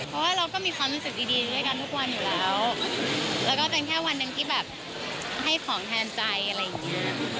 เพราะว่าเราก็มีความรู้สึกดีด้วยกันทุกวันอยู่แล้วแล้วก็เป็นแค่วันหนึ่งที่แบบให้ของแทนใจอะไรอย่างเงี้ย